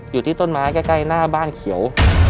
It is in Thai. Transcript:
อยู่ที่ต้นไม้ใกล้หน้าบ้านเขียว